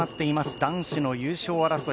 男子の優勝争い。